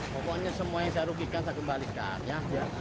pokoknya semua yang saya rugikan saya kembalikan ya